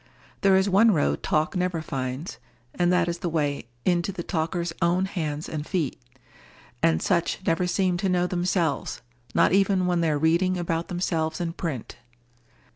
There is one road talk never finds, and that is the way into the talker's own hands and feet. And such never seem to know themselves—not even when they are reading about themselves in print.